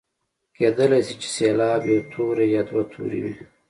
کیدلای شي چې سېلاب یو توری یا دوه توري وي.